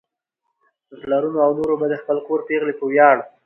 نو پلرونو او نورو به د خپل کور پېغلې په وياړ